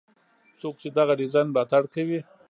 څوک چې دغه ډیزاین ملاتړ کوي.